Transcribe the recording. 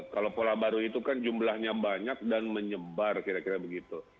kalau pola baru itu kan jumlahnya banyak dan menyebar kira kira begitu